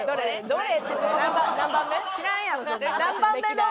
どれ？